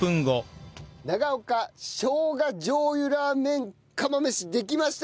長岡生姜醤油ラーメン釜飯できました。